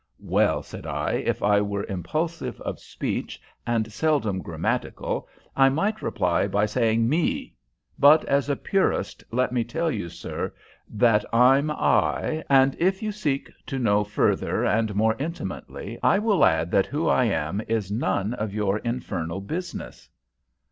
"Well," said I, "if I were impulsive of speech and seldom grammatical, I might reply by saying Me, but as a purist, let me tell you, sir, that I'm I, and if you seek to know further and more intimately, I will add that who I am is none of your infernal business."